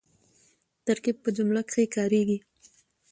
ترکیب په جمله کښي کاریږي.